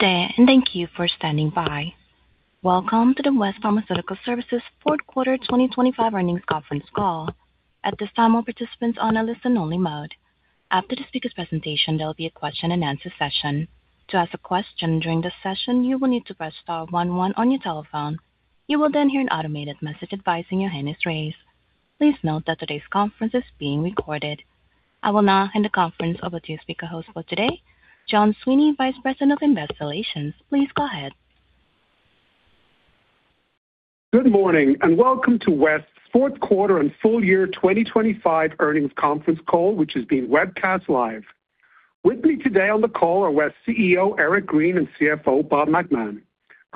Good day, and thank you for standing by. Welcome to the West Pharmaceutical Services Fourth Quarter 2025 Earnings Conference Call. At this time, all participants on a listen-only mode. After the speaker's presentation, there will be a question-and-answer session. To ask a question during this session, you will need to press star one one on your telephone. You will then hear an automated message advising your hand is raised. Please note that today's conference is being recorded. I will now hand the conference over to your speaker host for today, John Sweeney, Vice President of Investor Relations. Please go ahead. Good morning, and welcome to West's Fourth Quarter and Full Year 2025 Earnings Conference Call, which is being webcast live. With me today on the call are West CEO Eric Green and CFO Bob McMahon.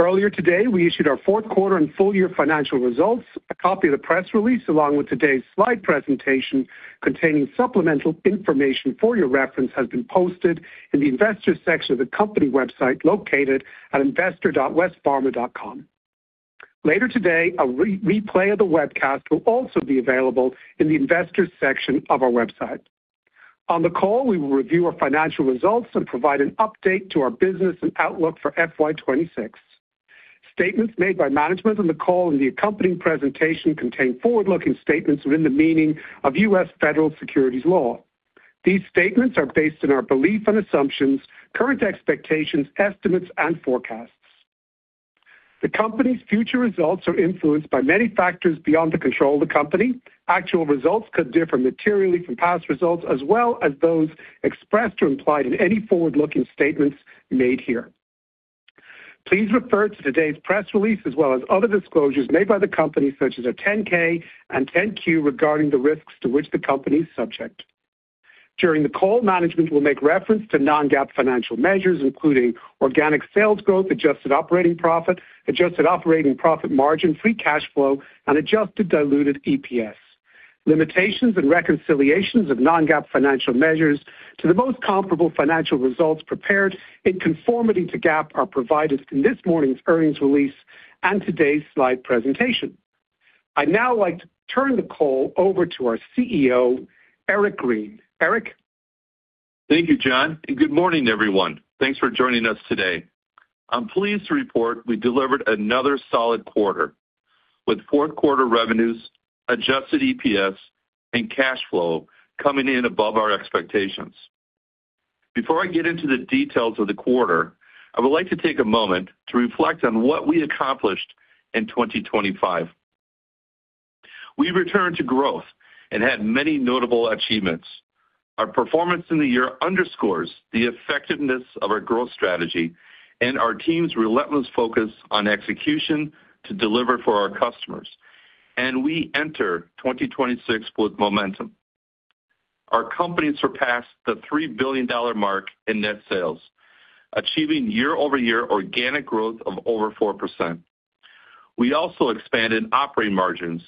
Earlier today, we issued our fourth quarter and full-year financial results. A copy of the press release, along with today's slide presentation containing supplemental information for your reference, has been posted in the Investors section of the company website, located at investor.westpharma.com. Later today, a replay of the webcast will also be available in the Investors section of our website. On the call, we will review our financial results and provide an update to our business and outlook for FY 2026. Statements made by management on the call and the accompanying presentation contain forward-looking statements within the meaning of U.S. Federal securities law. These statements are based on our belief and assumptions, current expectations, estimates, and forecasts. The company's future results are influenced by many factors beyond the control of the company. Actual results could differ materially from past results as well as those expressed or implied in any forward-looking statements made here. Please refer to today's press release, as well as other disclosures made by the company, such as our 10-K and 10-Q, regarding the risks to which the company is subject. During the call, management will make reference to non-GAAP financial measures, including organic sales growth, adjusted operating profit, adjusted operating profit margin, free cash flow, and adjusted diluted EPS. Limitations and reconciliations of non-GAAP financial measures to the most comparable financial results prepared in conformity to GAAP are provided in this morning's earnings release and today's slide presentation. I'd now like to turn the call over to our CEO, Eric Green. Eric? Thank you, John, and good morning, everyone. Thanks for joining us today. I'm pleased to report we delivered another solid quarter, with fourth quarter revenues, Adjusted EPS, and cash flow coming in above our expectations. Before I get into the details of the quarter, I would like to take a moment to reflect on what we accomplished in 2025. We returned to growth and had many notable achievements. Our performance in the year underscores the effectiveness of our growth strategy and our team's relentless focus on execution to deliver for our customers, and we enter 2026 with momentum. Our company surpassed the $3 billion mark in net sales, achieving year-over-year organic growth of over 4%. We also expanded operating margins,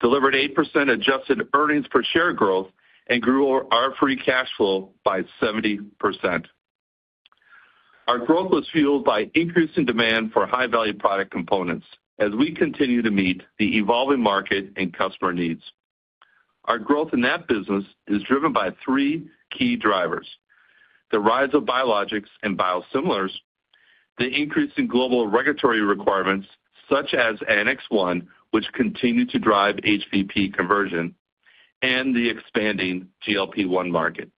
delivered 8% adjusted earnings per share growth, and grew our free cash flow by 70%. Our growth was fueled by increasing demand for high-value product components as we continue to meet the evolving market and customer needs. Our growth in that business is driven by three key drivers: the rise of biologics and biosimilars, the increase in global regulatory requirements, such as Annex 1, which continue to drive HVP conversion, and the expanding GLP-1 market.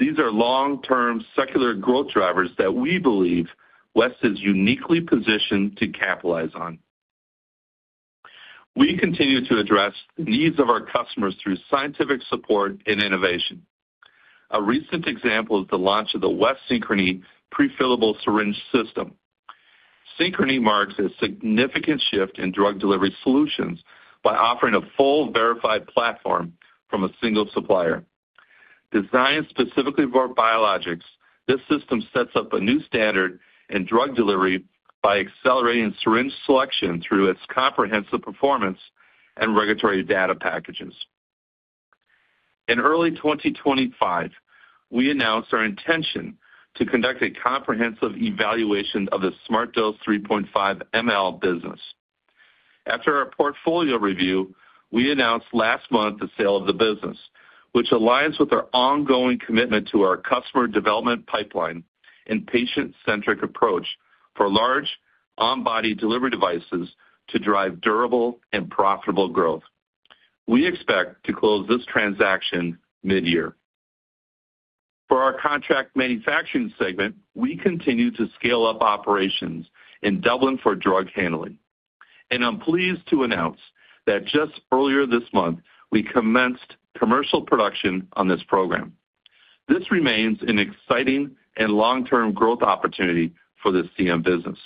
These are long-term secular growth drivers that we believe West is uniquely positioned to capitalize on. We continue to address the needs of our customers through scientific support and innovation. A recent example is the launch of the West Synchrony Prefillable Syringe System. Synchrony marks a significant shift in drug delivery solutions by offering a full verified platform from a single supplier. Designed specifically for biologics, this system sets up a new standard in drug delivery by accelerating syringe selection through its comprehensive performance and regulatory data packages. In early 2025, we announced our intention to conduct a comprehensive evaluation of the SmartDose 3.5 mL business. After our portfolio review, we announced last month the sale of the business, which aligns with our ongoing commitment to our customer development pipeline and patient-centric approach for large on-body delivery devices to drive durable and profitable growth. We expect to close this transaction mid-year. For our contract manufacturing segment, we continue to scale up operations in Dublin for drug handling, and I'm pleased to announce that just earlier this month, we commenced commercial production on this program. This remains an exciting and long-term growth opportunity for this CM business.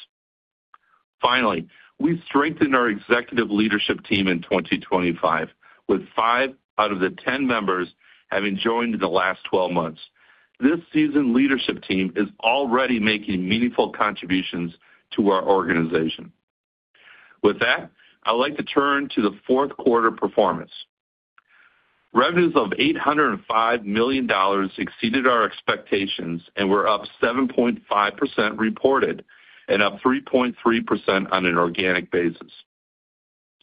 Finally, we strengthened our executive leadership team in 2025, with five out of the 10 members having joined in the last 12 months. This seasoned leadership team is already making meaningful contributions to our organization. With that, I'd like to turn to the fourth quarter performance. Revenues of $805 million exceeded our expectations and were up 7.5% reported and up 3.3% on an organic basis.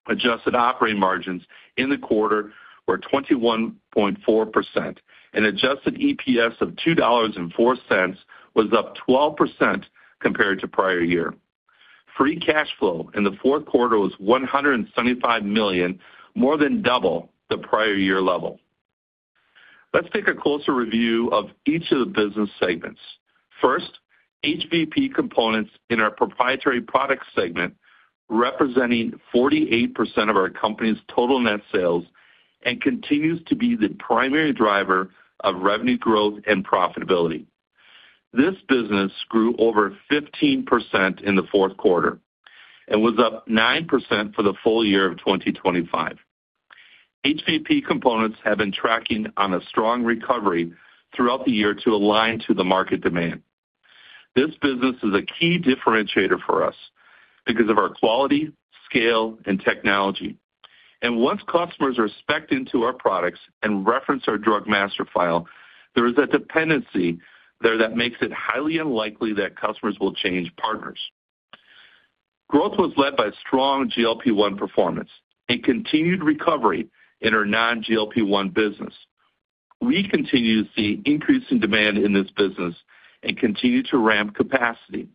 Adjusted operating margins in the quarter were 21.4%, and Adjusted EPS of $2.04 was up 12% compared to prior year. Free cash flow in the fourth quarter was $175 million, more than double the prior year level. Let's take a closer review of each of the business segments. First, HVP components in our proprietary product segment, representing 48% of our company's total net sales, and continues to be the primary driver of revenue growth and profitability. This business grew over 15% in the fourth quarter and was up 9% for the full year of 2025. HVP components have been tracking on a strong recovery throughout the year to align to the market demand. This business is a key differentiator for us because of our quality, scale, and technology. Once customers are spec'd into our products and reference our Drug Master File, there is a dependency there that makes it highly unlikely that customers will change partners. Growth was led by strong GLP-1 performance and continued recovery in our non-GLP-1 business. We continue to see increasing demand in this business and continue to ramp capacity.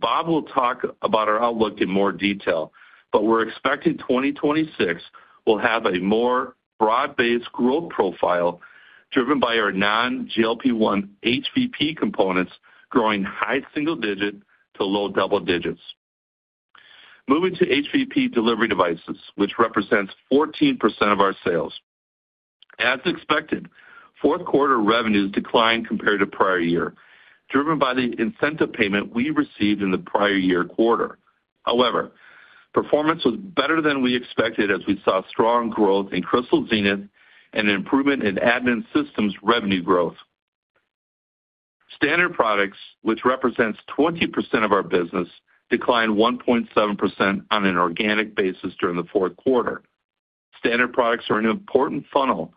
Bob will talk about our outlook in more detail, but we're expecting 2026 will have a more broad-based growth profile, driven by our non-GLP-1 HVP components, growing high single digit to low double digits. Moving to HVP delivery devices, which represents 14% of our sales. As expected, fourth quarter revenues declined compared to prior year, driven by the incentive payment we received in the prior year quarter. However, performance was better than we expected, as we saw strong growth in Crystal Zenith and an improvement in admin systems revenue growth. Standard Products, which represents 20% of our business, declined 1.7% on an organic basis during the fourth quarter. Standard Products are an important funnel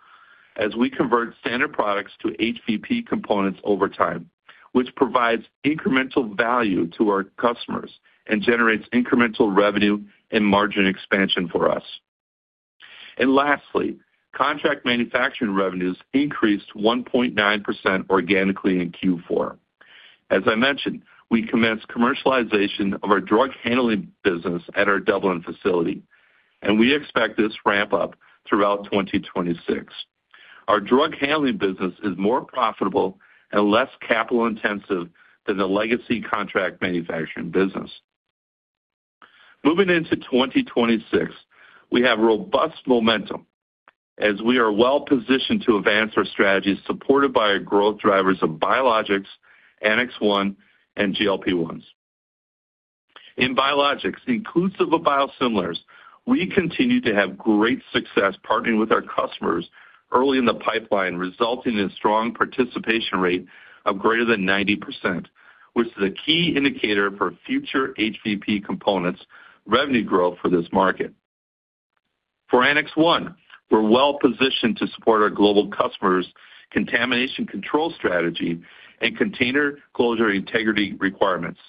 as we convert standard products to HVP components over time, which provides incremental value to our customers and generates incremental revenue and margin expansion for us. Lastly, contract manufacturing revenues increased 1.9% organically in Q4. As I mentioned, we commenced commercialization of our drug handling business at our Dublin facility, and we expect this to ramp up throughout 2026. Our drug handling business is more profitable and less capital-intensive than the legacy contract manufacturing business. Moving into 2026, we have robust momentum as we are well positioned to advance our strategies, supported by our growth drivers of biologics, Annex 1, and GLP-1s. In biologics, inclusive of biosimilars, we continue to have great success partnering with our customers early in the pipeline, resulting in strong participation rate of greater than 90%, which is a key indicator for future HVP components revenue growth for this market. For Annex 1, we're well positioned to support our global customers' contamination control strategy and container closure integrity requirements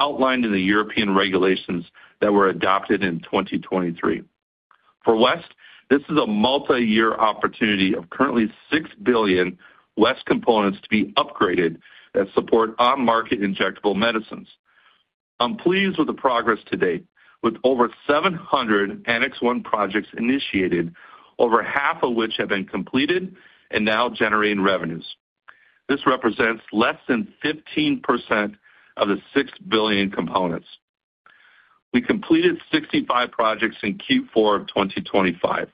outlined in the European regulations that were adopted in 2023. For West, this is a multiyear opportunity of currently 6 billion West components to be upgraded that support on-market injectable medicines. I'm pleased with the progress to date, with over 700 Annex 1 projects initiated, over half of which have been completed and now generating revenues. This represents less than 15% of the 6 billion components. We completed 65 projects in Q4 of 2025,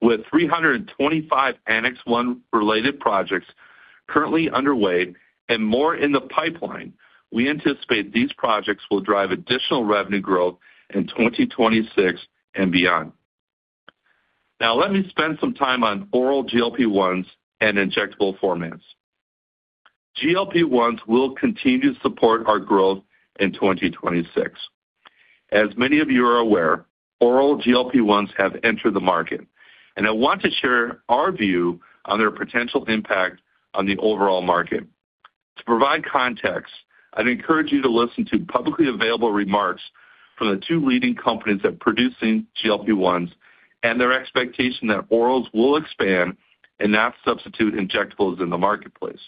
with 325 Annex 1-related projects currently underway and more in the pipeline. We anticipate these projects will drive additional revenue growth in 2026 and beyond. Now let me spend some time on oral GLP-1s and injectable formats. GLP-1s will continue to support our growth in 2026. As many of you are aware, oral GLP-1s have entered the market, and I want to share our view on their potential impact on the overall market. To provide context, I'd encourage you to listen to publicly available remarks from the two leading companies that producing GLP-1s and their expectation that orals will expand and not substitute injectables in the marketplace.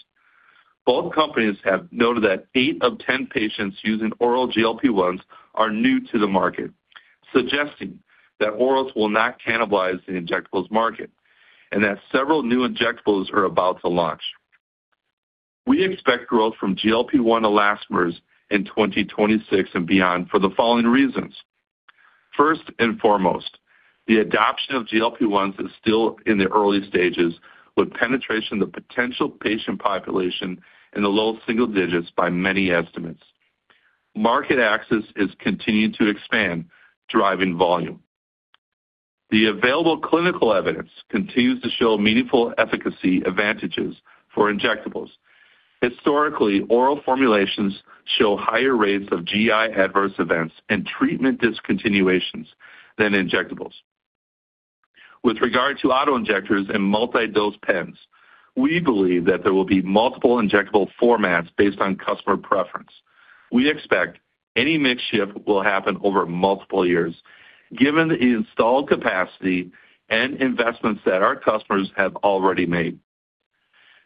Both companies have noted that eight of ten patients using oral GLP-1s are new to the market, suggesting that orals will not cannibalize the injectables market and that several new injectables are about to launch. We expect growth from GLP-1 elastomers in 2026 and beyond for the following reasons: First and foremost, the adoption of GLP-1s is still in the early stages, with penetration of potential patient population in the low single digits by many estimates. Market access is continuing to expand, driving volume. The available clinical evidence continues to show meaningful efficacy advantages for injectables. Historically, oral formulations show higher rates of GI adverse events and treatment discontinuations than injectables.... With regard to auto-injectors and multi-dose pens, we believe that there will be multiple injectable formats based on customer preference. We expect any mix shift will happen over multiple years, given the installed capacity and investments that our customers have already made.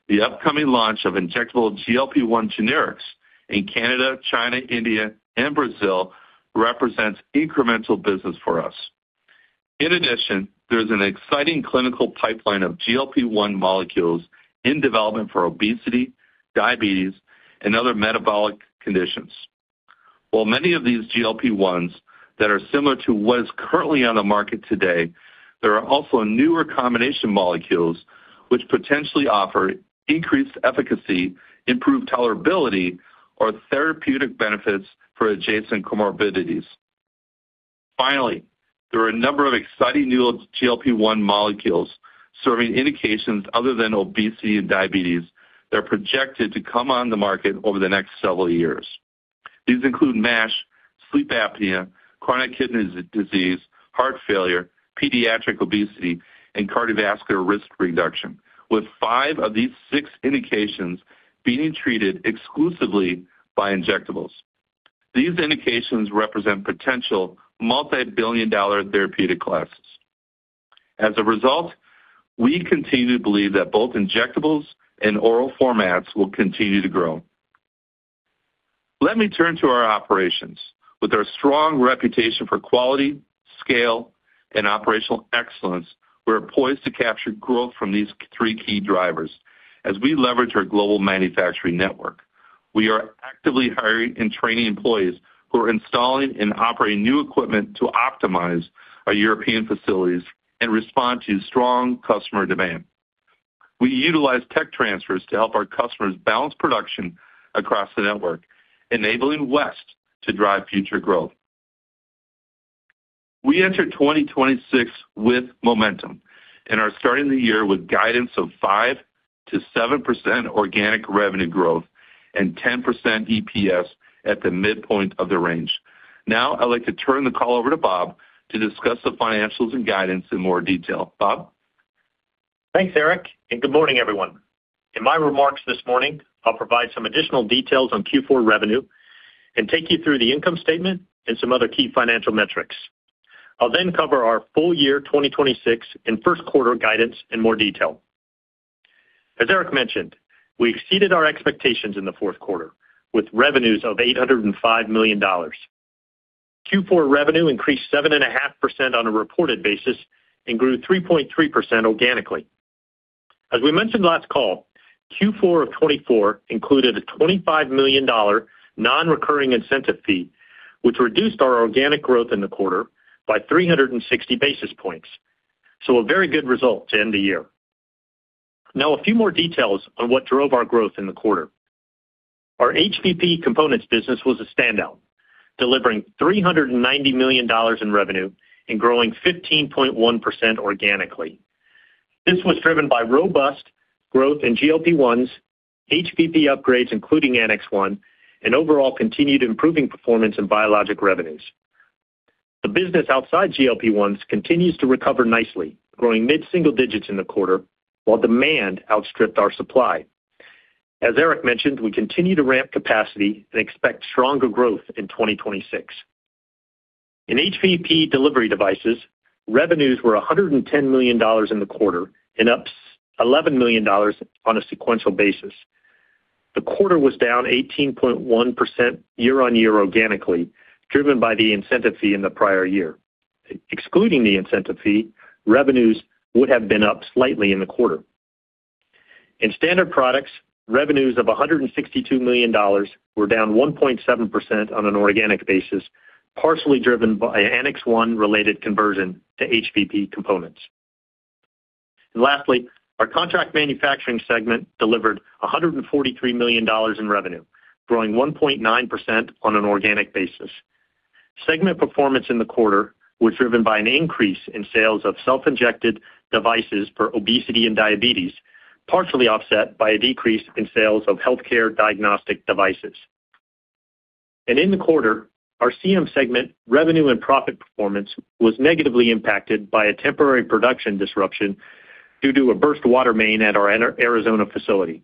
The upcoming launch of injectable GLP-1 generics in Canada, China, India, and Brazil represents incremental business for us. In addition, there's an exciting clinical pipeline of GLP-1 molecules in development for obesity, diabetes, and other metabolic conditions. While many of these GLP-1s that are similar to what is currently on the market today, there are also newer combination molecules which potentially offer increased efficacy, improved tolerability, or therapeutic benefits for adjacent comorbidities. Finally, there are a number of exciting new GLP-1 molecules serving indications other than obesity and diabetes that are projected to come on the market over the next several years. These include MASH, sleep apnea, chronic kidney disease, heart failure, pediatric obesity, and cardiovascular risk reduction, with five of these six indications being treated exclusively by injectables. These indications represent potential multibillion-dollar therapeutic classes. As a result, we continue to believe that both injectables and oral formats will continue to grow. Let me turn to our operations. With our strong reputation for quality, scale, and operational excellence, we're poised to capture growth from these three key drivers as we leverage our global manufacturing network. We are actively hiring and training employees who are installing and operating new equipment to optimize our European facilities and respond to strong customer demand. We utilize tech transfers to help our customers balance production across the network, enabling West to drive future growth. We enter 2026 with momentum and are starting the year with guidance of 5%-7% organic revenue growth and 10% EPS at the midpoint of the range. Now, I'd like to turn the call over to Bob to discuss the financials and guidance in more detail. Bob? Thanks, Eric, and good morning, everyone. In my remarks this morning, I'll provide some additional details on Q4 revenue and take you through the income statement and some other key financial metrics. I'll then cover our full year 2026 and first quarter guidance in more detail. As Eric mentioned, we exceeded our expectations in the fourth quarter with revenues of $805 million. Q4 revenue increased 7.5% on a reported basis and grew 3.3% organically. As we mentioned last call, Q4 of 2024 included a $25 million nonrecurring incentive fee, which reduced our organic growth in the quarter by 360 basis points. So a very good result to end the year. Now, a few more details on what drove our growth in the quarter. Our HVP components business was a standout, delivering $390 million in revenue and growing 15.1% organically. This was driven by robust growth in GLP-1s, HVP upgrades, including Annex 1, and overall continued improving performance in biologic revenues. The business outside GLP-1s continues to recover nicely, growing mid-single digits in the quarter, while demand outstripped our supply. As Eric mentioned, we continue to ramp capacity and expect stronger growth in 2026. In HVP delivery devices, revenues were $110 million in the quarter, and up $11 million on a sequential basis. The quarter was down 18.1% year-over-year organically, driven by the incentive fee in the prior year. Excluding the incentive fee, revenues would have been up slightly in the quarter. In standard products, revenues of $162 million were down 1.7% on an organic basis, partially driven by Annex 1-related conversion to HVP components. Lastly, our contract manufacturing segment delivered $143 million in revenue, growing 1.9% on an organic basis. Segment performance in the quarter was driven by an increase in sales of self-injected devices for obesity and diabetes, partially offset by a decrease in sales of healthcare diagnostic devices. In the quarter, our CM segment revenue and profit performance was negatively impacted by a temporary production disruption due to a burst water main at our Arizona facility.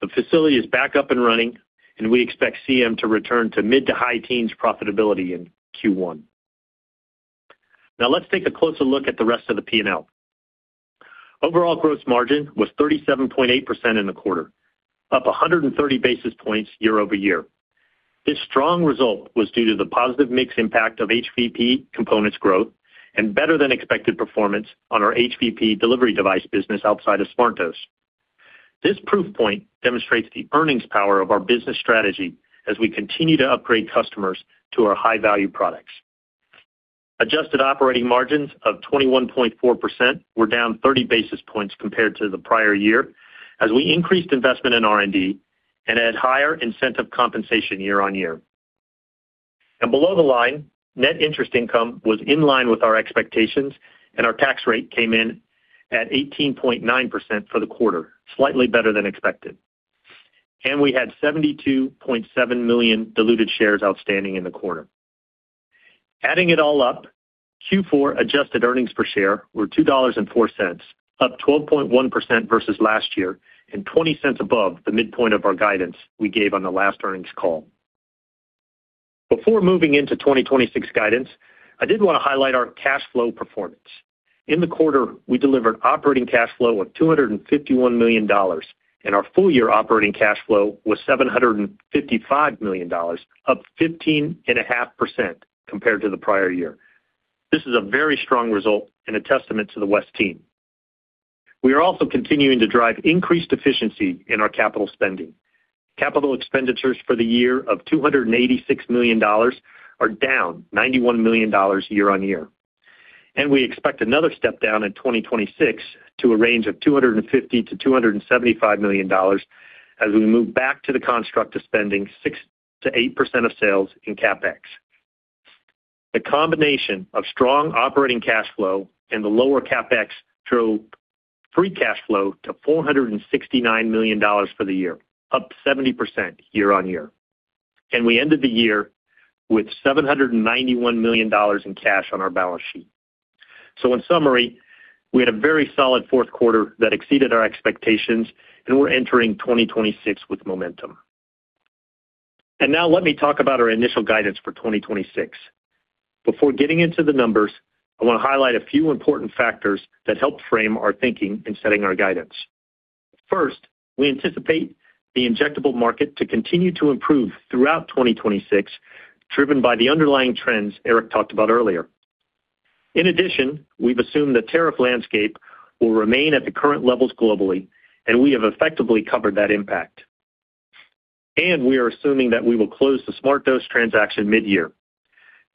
The facility is back up and running, and we expect CM to return to mid to high teens profitability in Q1. Now, let's take a closer look at the rest of the P&L. Overall gross margin was 37.8% in the quarter, up 130 basis points year-over-year. This strong result was due to the positive mix impact of HVP components growth and better-than-expected performance on our HVP delivery device business outside of SmartDose. This proof point demonstrates the earnings power of our business strategy as we continue to upgrade customers to our high-value products. Adjusted operating margins of 21.4% were down 30 basis points compared to the prior year, as we increased investment in R&D and had higher incentive compensation year-over-year. Below the line, net interest income was in line with our expectations, and our tax rate came in at 18.9% for the quarter, slightly better than expected. And we had 72.7 million diluted shares outstanding in the quarter. Adding it all up, Q4 adjusted earnings per share were $2.04, up 12.1% versus last year, and $0.20 above the midpoint of our guidance we gave on the last earnings call. Before moving into 2026 guidance, I did want to highlight our cash flow performance. In the quarter, we delivered operating cash flow of $251 million, and our full year operating cash flow was $755 million, up 15.5% compared to the prior year. This is a very strong result and a testament to the West team. We are also continuing to drive increased efficiency in our capital spending. Capital expenditures for the year of $286 million are down $91 million year-on-year, and we expect another step down in 2026 to a range of $250 million-$275 million as we move back to the construct of spending 6%-8% of sales in CapEx. The combination of strong operating cash flow and the lower CapEx drove free cash flow to $469 million for the year, up 70% year-on-year, and we ended the year with $791 million in cash on our balance sheet. So in summary, we had a very solid fourth quarter that exceeded our expectations, and we're entering 2026 with momentum. And now let me talk about our initial guidance for 2026. Before getting into the numbers, I want to highlight a few important factors that help frame our thinking in setting our guidance. First, we anticipate the injectable market to continue to improve throughout 2026, driven by the underlying trends Eric talked about earlier. In addition, we've assumed the tariff landscape will remain at the current levels globally, and we have effectively covered that impact. We are assuming that we will close the SmartDose transaction mid-year.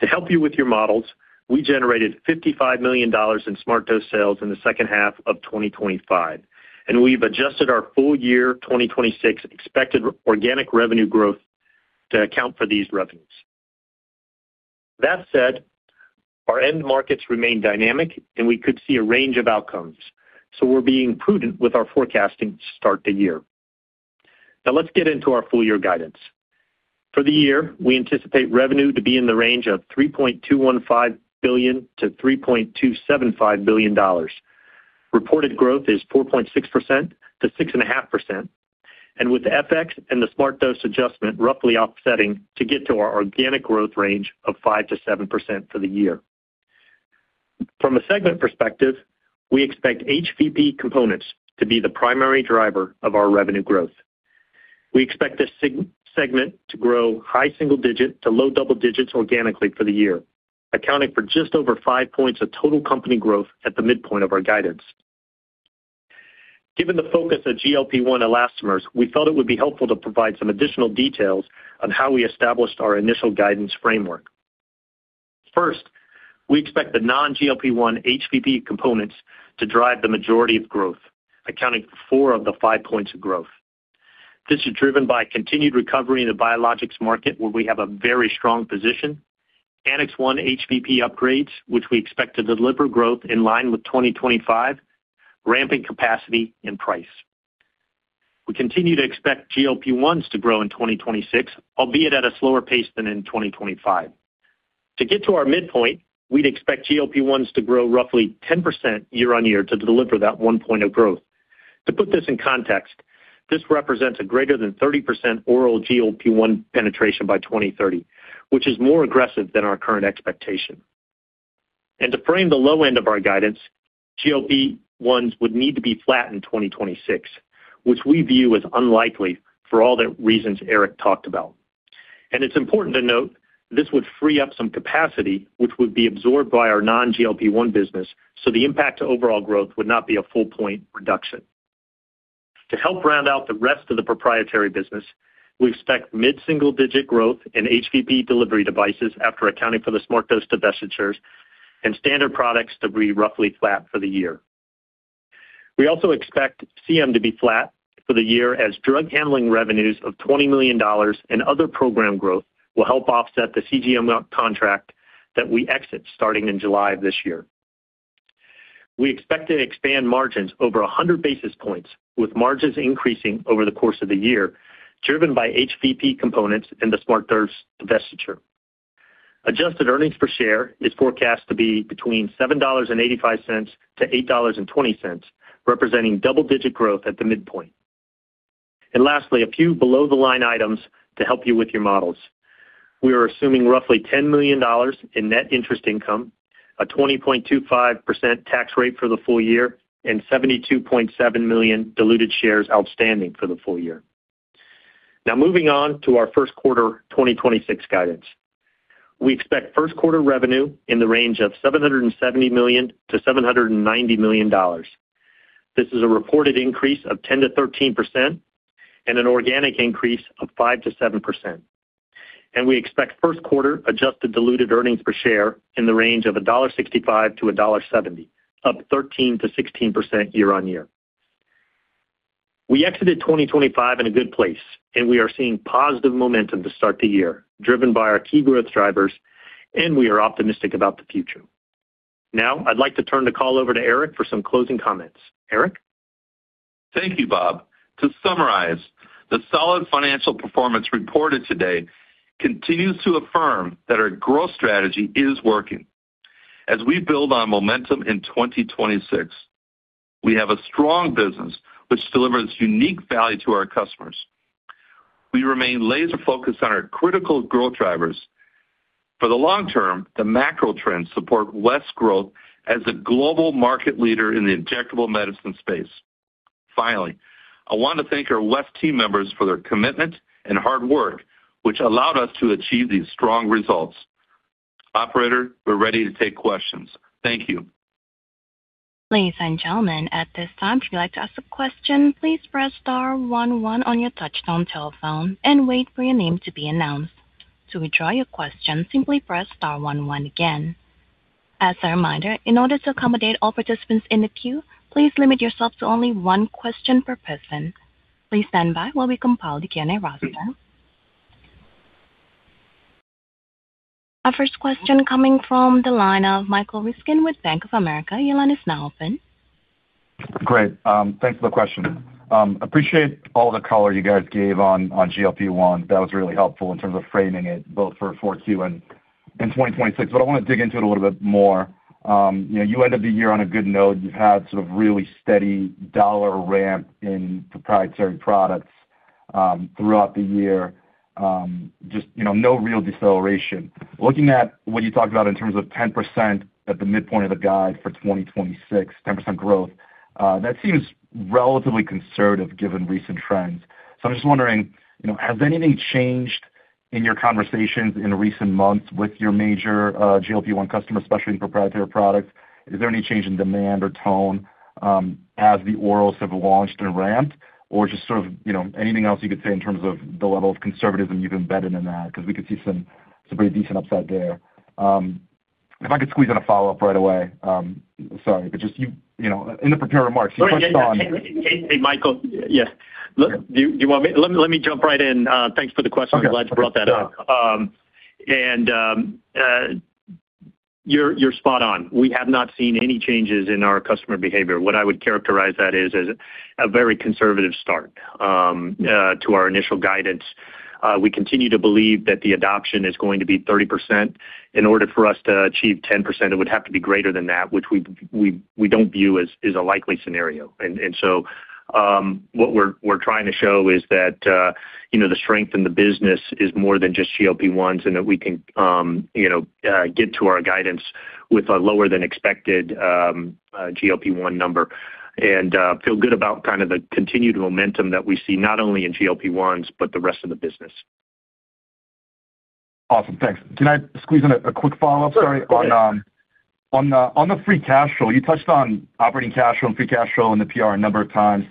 To help you with your models, we generated $55 million in SmartDose sales in the second half of 2025, and we've adjusted our full year 2026 expected organic revenue growth to account for these revenues. That said, our end markets remain dynamic, and we could see a range of outcomes, so we're being prudent with our forecasting to start the year. Now let's get into our full year guidance. For the year, we anticipate revenue to be in the range of $3.215 billion-$3.275 billion. Reported growth is 4.6%-6.5%, and with FX and the SmartDose adjustment roughly offsetting to get to our organic growth range of 5%-7% for the year. From a segment perspective, we expect HVP components to be the primary driver of our revenue growth. We expect this segment to grow high single digit to low double digits organically for the year, accounting for just over 5 points of total company growth at the midpoint of our guidance. Given the focus of GLP-1 elastomers, we felt it would be helpful to provide some additional details on how we established our initial guidance framework. First, we expect the non-GLP-1 HVP components to drive the majority of growth, accounting for 4 of the 5 points of growth. This is driven by continued recovery in the biologics market, where we have a very strong position. Annex 1 HVP upgrades, which we expect to deliver growth in line with 2025, ramping capacity and price. We continue to expect GLP-1s to grow in 2026, albeit at a slower pace than in 2025. To get to our midpoint, we'd expect GLP-1s to grow roughly 10% year-on-year to deliver that 1 point of growth. To put this in context, this represents a greater than 30% oral GLP-1 penetration by 2030, which is more aggressive than our current expectation. To frame the low end of our guidance, GLP-1s would need to be flat in 2026, which we view as unlikely for all the reasons Eric talked about. It's important to note, this would free up some capacity, which would be absorbed by our non-GLP-1 business, so the impact to overall growth would not be a full point reduction. To help round out the rest of the proprietary business, we expect mid-single-digit growth in HVP delivery devices after accounting for the SmartDose divestitures and standard products to be roughly flat for the year. We also expect CM to be flat for the year as drug handling revenues of $20 million and other program growth will help offset the CGM contract that we exit starting in July of this year. We expect to expand margins over 100 basis points, with margins increasing over the course of the year, driven by HVP components and the SmartDose divestiture. Adjusted earnings per share is forecast to be between $7.85-$8.20, representing double-digit growth at the midpoint. Lastly, a few below-the-line items to help you with your models. We are assuming roughly $10 million in net interest income, a 20.25% tax rate for the full year, and 72.7 million diluted shares outstanding for the full year. Now, moving on to our first quarter 2026 guidance. We expect first quarter revenue in the range of $770 million-$790 million. This is a reported increase of 10%-13% and an organic increase of 5%-7%. We expect first quarter adjusted diluted earnings per share in the range of $1.65-$1.70, up 13%-16% year-on-year. We exited 2025 in a good place, and we are seeing positive momentum to start the year, driven by our key growth drivers, and we are optimistic about the future. Now, I'd like to turn the call over to Eric for some closing comments. Eric? Thank you, Bob. To summarize, the solid financial performance reported today continues to affirm that our growth strategy is working. As we build on momentum in 2026, we have a strong business which delivers unique value to our customers. We remain laser focused on our critical growth drivers. For the long term, the macro trends support less growth as a global market leader in the injectable medicine space. Finally, I want to thank our West team members for their commitment and hard work, which allowed us to achieve these strong results. Operator, we're ready to take questions. Thank you. Ladies and gentlemen, at this time, if you'd like to ask a question, please press star one one on your touchtone telephone and wait for your name to be announced. To withdraw your question, simply press star one one again. As a reminder, in order to accommodate all participants in the queue, please limit yourself to only one question per person. Please stand by while we compile the Q&A roster. Our first question coming from the line of Michael Ryskin with Bank of America. Your line is now open. Great. Thanks for the question. Appreciate all the color you guys gave on, on GLP-1. That was really helpful in terms of framing it both for Q4 and, and 2026. But I want to dig into it a little bit more. You know, you end up the year on a good note. You've had sort of really steady dollar ramp in proprietary products, throughout the year. Just, you know, no real deceleration. Looking at what you talked about in terms of 10% at the midpoint of the guide for 2026, 10% growth, that seems relatively conservative given recent trends. So I'm just wondering, you know, has anything changed in your conversations in recent months with your major, GLP-1 customers, especially in proprietary products? Is there any change in demand or tone as the orals have launched and ramped? Or just sort of, you know, anything else you could say in terms of the level of conservatism you've embedded in that? Because we could see some pretty decent upside there. If I could squeeze in a follow-up right away. Sorry, but just you know, in the prepared remarks- Hey, Michael. Yes. Look, do you want me? Let me jump right in. Thanks for the question. Okay. I'm glad you brought that up. You're spot on. We have not seen any changes in our customer behavior. What I would characterize that is as a very conservative start to our initial guidance. We continue to believe that the adoption is going to be 30%. In order for us to achieve 10%, it would have to be greater than that, which we don't view as a likely scenario. What we're trying to show is that you know, the strength in the business is more than just GLP-1s, and that we can you know get to our guidance with a lower than expected GLP-1 number. feel good about kind of the continued momentum that we see, not only in GLP-1s, but the rest of the business. Awesome. Thanks. Can I squeeze in a quick follow-up? Sure. Sorry. On the free cash flow, you touched on operating cash flow and free cash flow in the PR a number of times.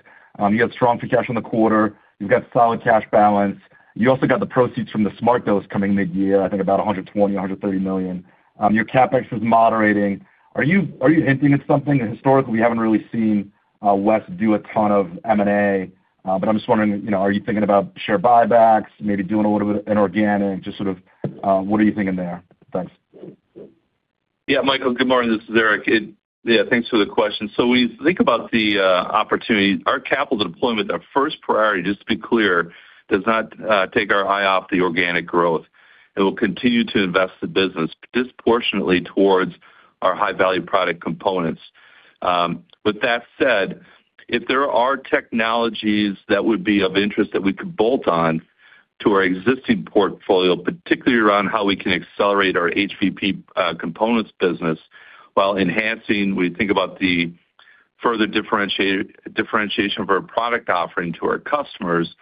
You got strong free cash on the quarter. You've got solid cash balance. You also got the proceeds from the SmartDose coming mid-year, I think about $120 million-$130 million. Your CapEx is moderating. Are you hinting at something? Historically, we haven't really seen West do a ton of M&A, but I'm just wondering, you know, are you thinking about share buybacks, maybe doing a little bit of inorganic? Just sort of, what are you thinking there? Thanks. Yeah, Michael, good morning. This is Eric. Yeah, thanks for the question. So when you think about the opportunity, our capital deployment, our first priority, just to be clear, does not take our eye off the organic growth. It will continue to invest the business disproportionately towards our high-value product components. With that said, if there are technologies that would be of interest that we could bolt on to our existing portfolio, particularly around how we can accelerate our HVP components business while enhancing, we think about the further differentiation of our product offering to our customers,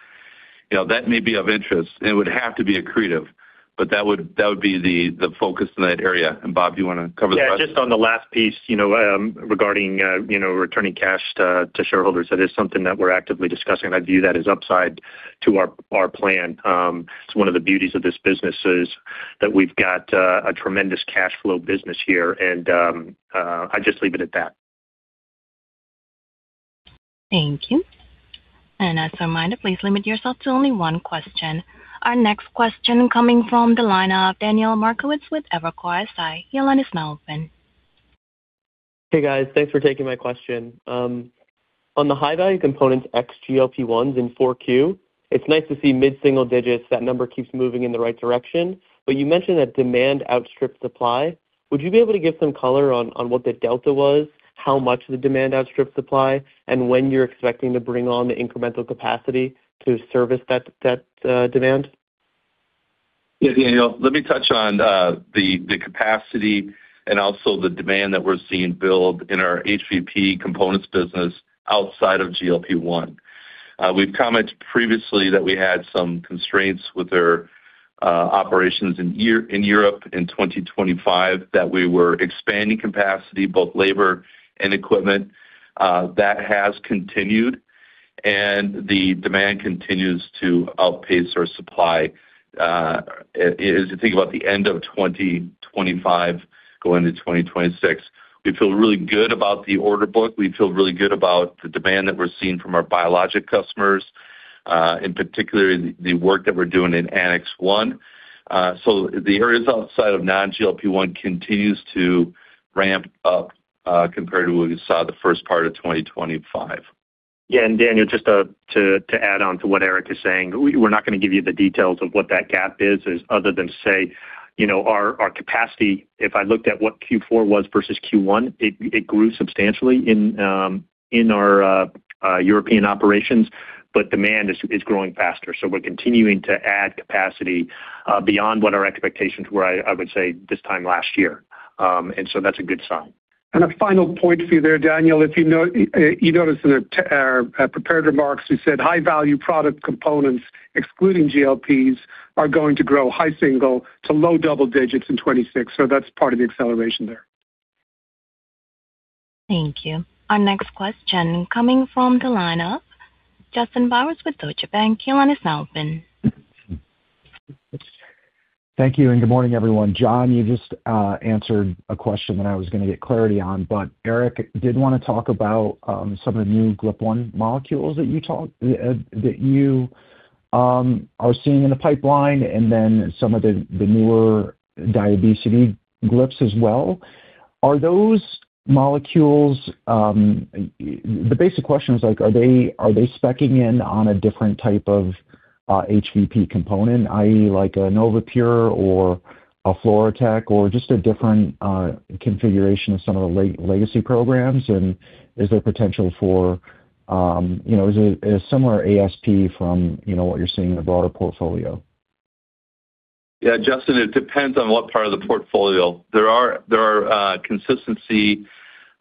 you know, that may be of interest, and it would have to be accretive, but that would be the focus in that area. And Bob, do you want to cover that? Yeah, just on the last piece, you know, regarding, you know, returning cash to, to shareholders, that is something that we're actively discussing. I view that as upside to our, our plan. It's one of the beauties of this business is that we've got, a tremendous cash flow business here, and, I just leave it at that. Thank you. As a reminder, please limit yourself to only one question. Our next question coming from the line of Daniel Markowitz with Evercore ISI. Your line is now open. Hey, guys. Thanks for taking my question. On the high-value components, ex GLP-1s in 4Q, it's nice to see mid-single digits. That number keeps moving in the right direction. But you mentioned that demand outstrips supply. Would you be able to give some color on what the delta was, how much the demand outstrips supply, and when you're expecting to bring on the incremental capacity to service that demand? Yeah, Daniel, let me touch on the capacity and also the demand that we're seeing build in our HVP components business outside of GLP-1. We've commented previously that we had some constraints with our operations in Europe in 2025, that we were expanding capacity, both labor and equipment. That has continued, and the demand continues to outpace our supply. As you think about the end of 2025, going into 2026, we feel really good about the order book. We feel really good about the demand that we're seeing from our biologic customers, in particular, the work that we're doing in Annex 1. So the areas outside of non-GLP-1 continues to ramp up, compared to what we saw the first part of 2025. Yeah, and Daniel, just to add on to what Eric is saying, we're not going to give you the details of what that gap is other than say, you know, our capacity, if I looked at what Q4 was versus Q1, it grew substantially in our European operations, but demand is growing faster. So we're continuing to add capacity beyond what our expectations were, I would say, this time last year. And so that's a good sign. A final point for you there, Daniel, if you notice in our prepared remarks, we said high-value product components, excluding GLPs, are going to grow high single to low double digits in 2026. So that's part of the acceleration there. Thank you. Our next question coming from the line of Justin Bowers with Deutsche Bank. Your line is now open. Thank you, and good morning, everyone. John, you just answered a question that I was going to get clarity on, but Eric did want to talk about some of the new GLP-1 molecules that you talked that you are seeing in the pipeline and then some of the newer diabesity GLPs as well. Are those molecules... The basic question is like, are they, are they speccing in on a different type of HVP component, i.e., like a NovaPure or a FluroTec, or just a different configuration of some of the legacy programs? And is there potential for, you know, is it a similar ASP from, you know, what you're seeing in the broader portfolio? Yeah, Justin, it depends on what part of the portfolio. There are consistency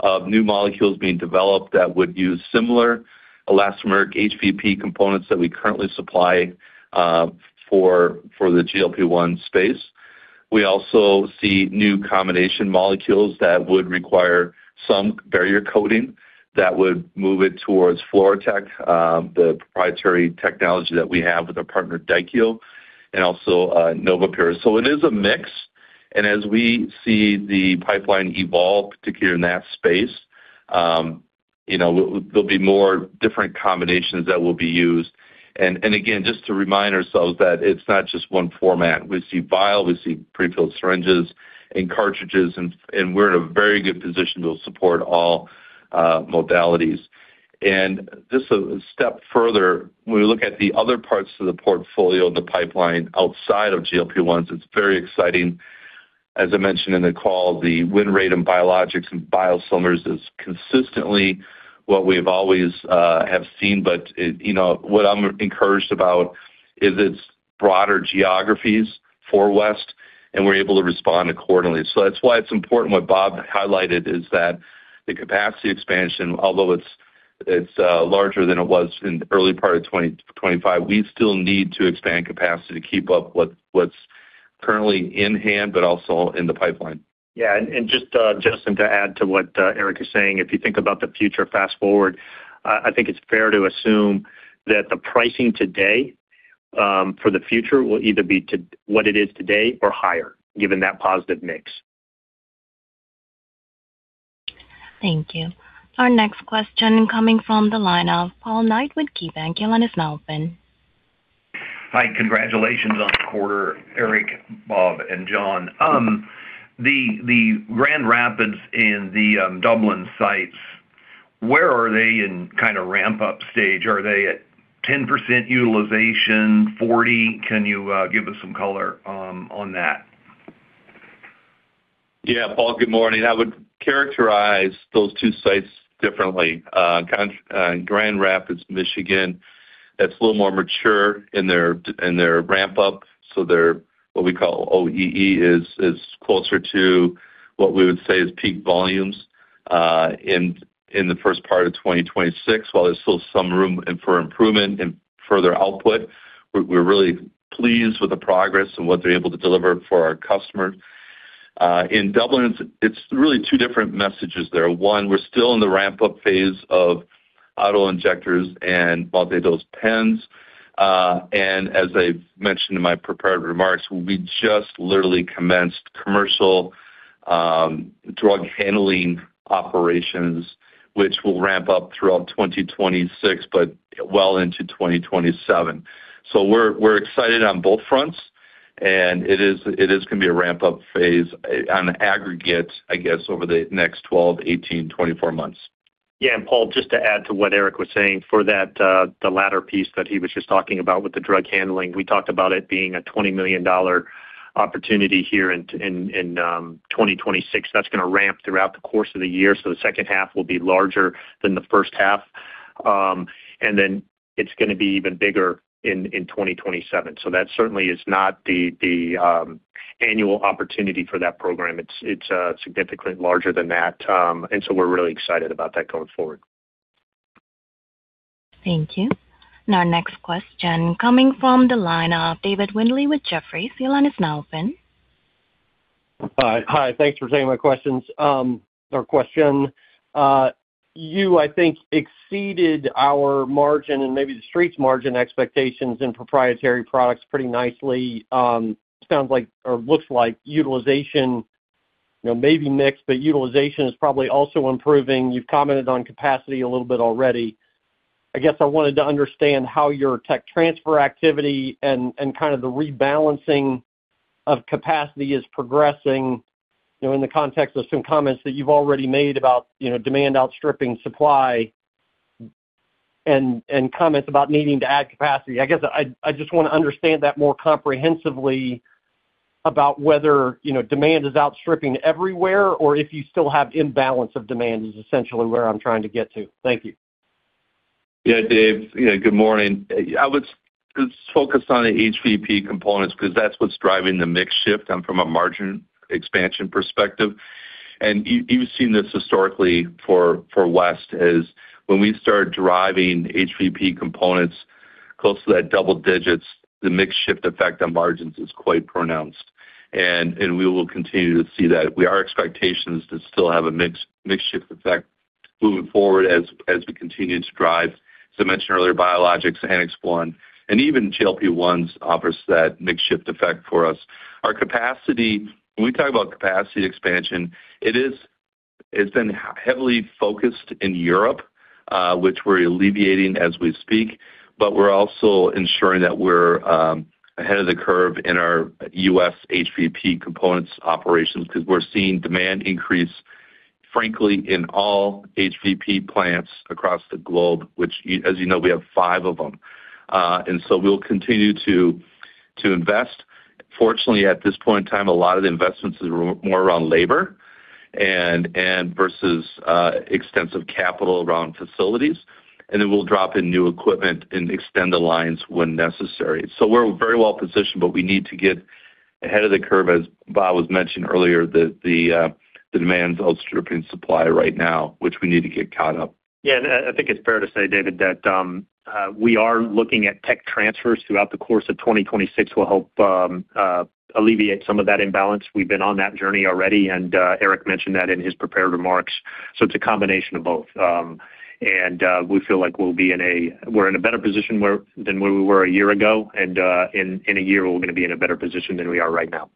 of new molecules being developed that would use similar elastomeric HVP components that we currently supply for the GLP-1 space. We also see new combination molecules that would require some barrier coating that would move it towards FluroTec, the proprietary technology that we have with our partner, Daikyo, and also NovaPure. So it is a mix, and as we see the pipeline evolve, particularly in that space, you know, there'll be more different combinations that will be used. And again, just to remind ourselves that it's not just one format. We see vial, we see prefilled syringes and cartridges, and we're in a very good position to support all modalities. And just a step further, when we look at the other parts of the portfolio, the pipeline outside of GLP-1, it's very exciting. As I mentioned in the call, the win rate in biologics and biosimilars is consistently what we've always have seen. But it, you know, what I'm encouraged about is its broader geographies for West, and we're able to respond accordingly. So that's why it's important what Bob highlighted, is that the capacity expansion, although it's larger than it was in the early part of 2025, we still need to expand capacity to keep up what's currently in hand, but also in the pipeline. Yeah, and just, Justin, to add to what Eric is saying, if you think about the future fast-forward, I think it's fair to assume that the pricing today for the future will either be to what it is today or higher, given that positive mix. Thank you. Our next question coming from the line of Paul Knight with KeyBanc, your line is now open. Hi, congratulations on the quarter, Eric, Bob, and John. The Grand Rapids and the Dublin sites, where are they in kind of ramp-up stage? Are they at 10% utilization, 40? Can you give us some color on that? Yeah, Paul, good morning. I would characterize those two sites differently. Grand Rapids, Michigan, that's a little more mature in their, in their ramp up, so their, what we call OEE, is, is closer to what we would say is peak volumes, in, in the first part of 2026. While there's still some room and for improvement in further output, we're, we're really pleased with the progress and what they're able to deliver for our customers. In Dublin, it's, it's really two different messages there. One, we're still in the ramp-up phase of auto injectors and multi-dose pens. And as I mentioned in my prepared remarks, we just literally commenced commercial drug handling operations, which will ramp up throughout 2026, but well into 2027. So we're excited on both fronts, and it is going to be a ramp-up phase on aggregate, I guess, over the next 12, 18, 24 months. Yeah, and Paul, just to add to what Eric was saying, for that, the latter piece that he was just talking about with the drug handling, we talked about it being a $20 million opportunity here in 2026. That's going to ramp throughout the course of the year, so the second half will be larger than the first half. And then it's going to be even bigger in 2027. So that certainly is not the annual opportunity for that program. It's significantly larger than that. And so we're really excited about that going forward. Thank you. Our next question coming from the line of David Windley with Jefferies. Your line is now open. Hi, thanks for taking my questions, or question. You, I think, exceeded our margin and maybe the street's margin expectations in proprietary products pretty nicely. Sounds like or looks like. You know, maybe mix, but utilization is probably also improving. You've commented on capacity a little bit already. I guess I wanted to understand how your tech transfer activity and, and kind of the rebalancing of capacity is progressing, you know, in the context of some comments that you've already made about, you know, demand outstripping supply, and, and comments about needing to add capacity. I guess I, I just want to understand that more comprehensively about whether, you know, demand is outstripping everywhere, or if you still have imbalance of demand, is essentially where I'm trying to get to. Thank you. Yeah, Dave. Yeah, good morning. I would just focus on the HVP components because that's what's driving the mix shift and from a margin expansion perspective. And you, you've seen this historically for West, is when we start driving HVP components close to that double digits, the mix shift effect on margins is quite pronounced, and we will continue to see that. We, our expectation is to still have a mix shift effect moving forward as we continue to drive, as I mentioned earlier, biologics, Annex 1, and even GLP-1s offers that mix shift effect for us. Our capacity, when we talk about capacity expansion, it is, it's been heavily focused in Europe, which we're alleviating as we speak. But we're also ensuring that we're ahead of the curve in our U.S. HVP components operations, because we're seeing demand increase, frankly, in all HVP plants across the globe, which as you know, we have five of them. And so we'll continue to invest. Fortunately, at this point in time, a lot of the investments is more around labor and versus extensive capital around facilities. And then we'll drop in new equipment and extend the lines when necessary. So we're very well positioned, but we need to get ahead of the curve as Bob was mentioning earlier, the demand is outstripping supply right now, which we need to get caught up. Yeah, and I think it's fair to say, David, that we are looking at tech transfers throughout the course of 2026 will help alleviate some of that imbalance. We've been on that journey already, and Eric mentioned that in his prepared remarks. So it's a combination of both. And we feel like we'll be in a - we're in a better position than where we were a year ago, and in a year, we're going to be in a better position than we are right now.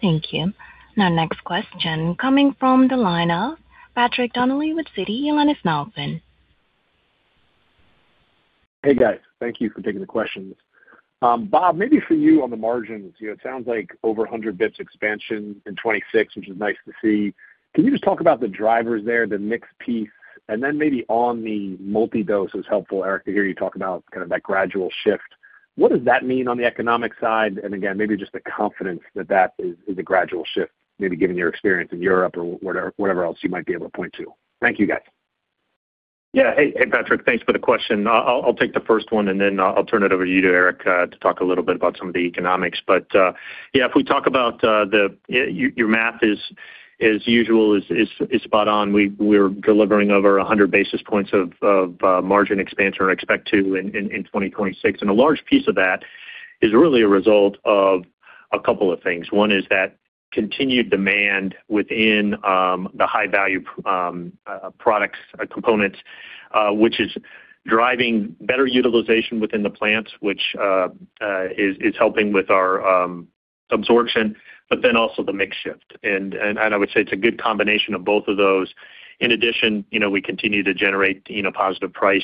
Thank you. Now, next question, coming from the line of Patrick Donnelly with Citi, your line is now open. Hey, guys. Thank you for taking the questions. Bob, maybe for you on the margins, you know, it sounds like over 100 basis points expansion in 2026, which is nice to see. Can you just talk about the drivers there, the mix piece, and then maybe on the multi-dose is helpful, Eric, to hear you talk about kind of that gradual shift. What does that mean on the economic side? And again, maybe just the confidence that that is, is a gradual shift, maybe given your experience in Europe or whatever, whatever else you might be able to point to. Thank you, guys. Yeah. Hey, Patrick. Thanks for the question. I'll take the first one, and then I'll turn it over to you, to Eric, to talk a little bit about some of the economics. But yeah, if we talk about your math is, as usual, spot on. We're delivering over 100 basis points of margin expansion and expect to in 2026. And a large piece of that is really a result of a couple of things. One is that continued demand within the high value products components, which is driving better utilization within the plants, which is helping with our absorption, but then also the mix shift. And I would say it's a good combination of both of those. In addition, you know, we continue to generate, you know, positive price,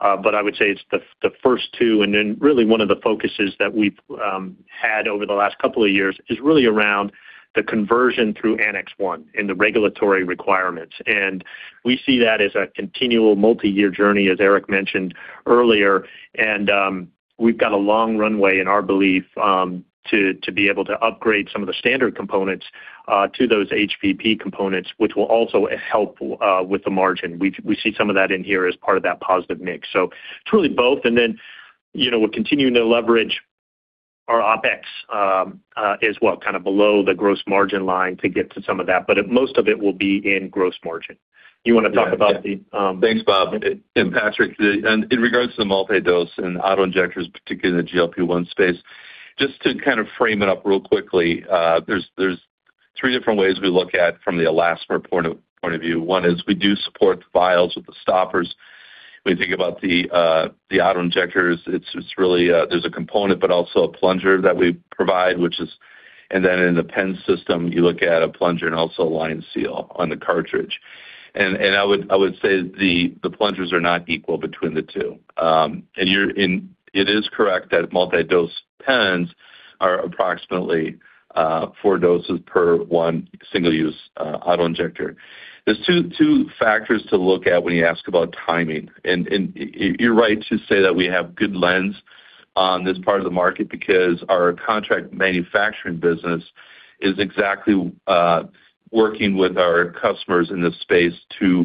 but I would say it's the first two. And then really one of the focuses that we've had over the last couple of years is really around the conversion through Annex 1 and the regulatory requirements. And we see that as a continual multi-year journey, as Eric mentioned earlier. And we've got a long runway in our belief to be able to upgrade some of the standard components to those HVP components, which will also help with the margin. We see some of that in here as part of that positive mix. So it's really both. Then, you know, we're continuing to leverage our OpEx as well, kind of below the gross margin line to get to some of that, but most of it will be in gross margin. You want to talk about the, Thanks, Bob. And Patrick, in regards to the multi-dose and auto-injectors, particularly in the GLP-1 space, just to kind of frame it up real quickly, there's three different ways we look at from the elastomer point of view. One is we do support the vials with the stoppers. When you think about the auto-injectors, it's really, there's a component, but also a plunger that we provide, which is... And then in the pen system, you look at a plunger and also a line seal on the cartridge. And I would say the plungers are not equal between the two. And it is correct that multi-dose pens are approximately four doses per one single use auto-injector. There's two factors to look at when you ask about timing. You're right to say that we have good lens on this part of the market, because our contract manufacturing business is exactly working with our customers in this space to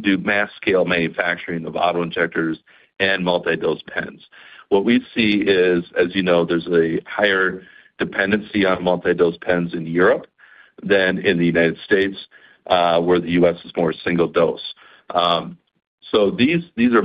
do mass scale manufacturing of auto-injectors and multi-dose pens. What we see is, as you know, there's a higher dependency on multi-dose pens in Europe than in the United States, where the US is more single dose. So these, these are